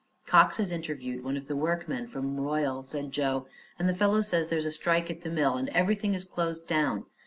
"Cox has interviewed one of the workmen from Royal," said Joe, "and the fellow says there's a strike at the mill and everything is closed down.